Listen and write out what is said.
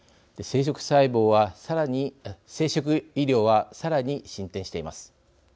生殖医療はさらに進展しています。